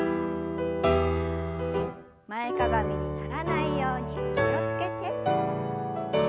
前かがみにならないように気を付けて。